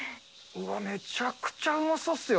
うわ、めちゃくちゃうまそうっすよ。